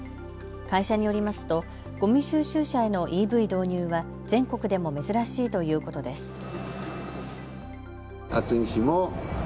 会社によりますとごみ収集車へのＥＶ導入は全国でも珍しいということです。